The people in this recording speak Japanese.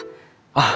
ああ。